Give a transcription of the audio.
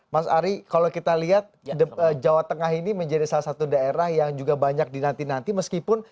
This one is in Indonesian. mas ari kalau kita lihat jawa tengah ini menjadi salah satu daerah yang juga banyak dinanti nanti meskipun